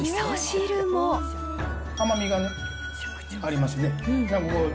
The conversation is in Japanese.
甘みがね、ありますね。